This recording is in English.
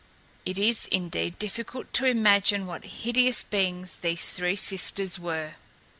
It is, indeed, difficult to imagine what hideous beings these three sisters were.